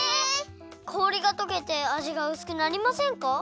氷がとけてあじがうすくなりませんか？